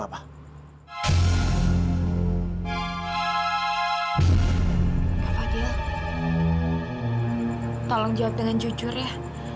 kak fadil tolong jawab dengan jujur ya